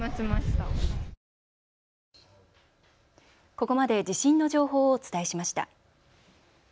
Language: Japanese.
ここまで地震の情報をお伝えしました。